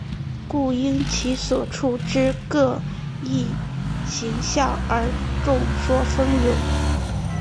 故因其所处之各异形象而众说纷纭。